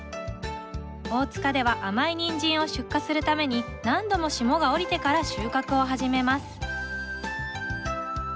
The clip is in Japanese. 大塚では甘いニンジンを出荷するために何度も霜が降りてから収穫を始めます